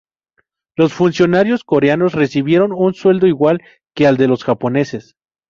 Los funcionarios coreanos recibieron un sueldo igual que al de los japoneses.